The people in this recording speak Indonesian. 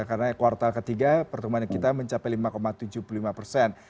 karena kuartal ketiga pertumbuhan kita mencapai lima tujuh puluh lima persen